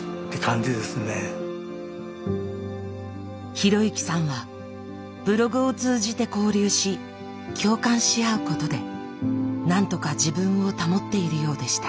啓之さんはブログを通じて交流し共感し合うことで何とか自分を保っているようでした。